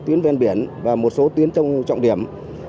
tuyến ven biển và một số tuyến trong trọng điểm